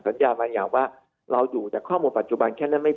สัญญาบางอย่างว่าเราอยู่แต่ข้อมูลปัจจุบันแค่นั้นไม่